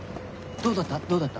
どうだった？